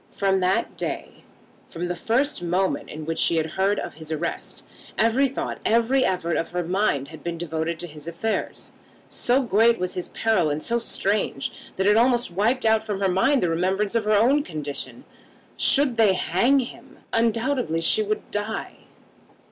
From that day, from the first moment in which she had heard of his arrest, every thought, every effort of her mind had been devoted to his affairs. So great was his peril and so strange, that it almost wiped out from her mind the remembrance of her own condition. Should they hang him, undoubtedly she would die.